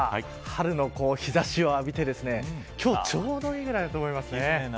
春の日差しを浴びて今日ちょうどいいぐらいだと思いますね。